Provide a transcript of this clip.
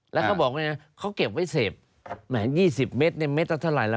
แล้วก็บอกว่าเขาเก็บไว้เสพ๒๐เมตรนี่เมตรเท่าไหร่ละ